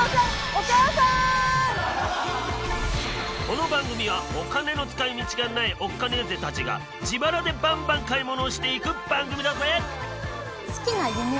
この番組はお金の使い道がないオッカネーゼたちが自腹でバンバン買い物をしていく番組だぜ！